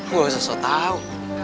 gue gak usah so tau